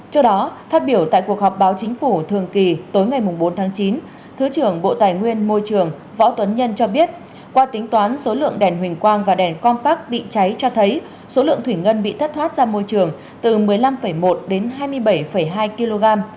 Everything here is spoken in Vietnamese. trước đó phát biểu tại cuộc họp báo chính phủ thường kỳ tối ngày bốn tháng chín thứ trưởng bộ tài nguyên môi trường võ tuấn nhân cho biết qua tính toán số lượng đèn huỳnh quang và đèn compac bị cháy cho thấy số lượng thủy ngân bị thất thoát ra môi trường từ một mươi năm một đến hai mươi bảy hai kg